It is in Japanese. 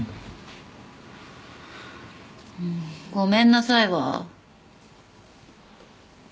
ごめんなさいは？